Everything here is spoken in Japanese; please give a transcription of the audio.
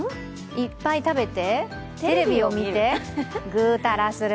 いっぱい食べてテレビを見てぐうたらする。